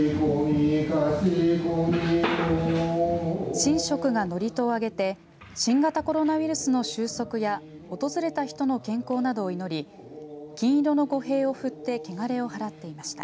神職が祝詞をあげて新型コロナウイルスの終息や訪れた人の健康などを祈り金色の御幣を振ってけがれを払っていました。